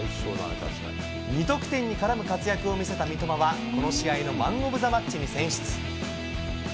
２得点に絡む活躍を見せた三笘は、この試合のマンオブザマッチに選出。